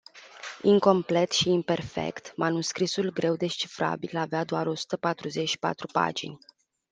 Incomplet și imperfect, manuscrisul greu descifrabil avea doar o sută patruzeci și patru pagini.